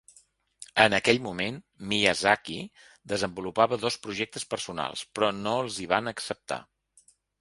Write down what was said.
En aquell moment, Miyazaki desenvolupava dos projectes personals, però no els hi van acceptar.